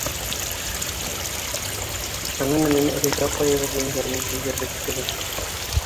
Бының менән Рәйфә апайыбыҙҙың йәнен көйҙөрҙөк кенә.